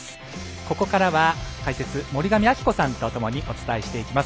ここからは、解説森上亜希子さんとともにお伝えしていきます。